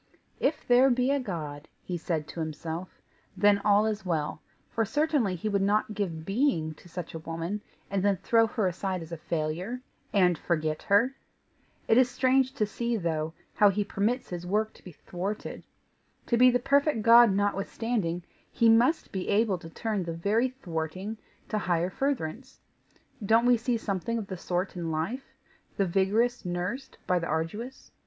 "If there be a God," he said to himself, "then all is well, for certainly he would not give being to such a woman, and then throw her aside as a failure, and forget her. It is strange to see, though, how he permits his work to be thwarted. To be the perfect God notwithstanding, he must be able to turn the very thwarting to higher furtherance. Don't we see something of the sort in life the vigorous nursed by the arduous?